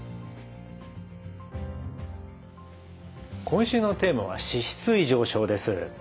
今週のテーマは「脂質異常症」です。